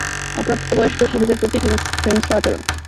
অপ্রাপ্তবয়স্ক শিশুদের প্রতি হিংস্র আচরণ।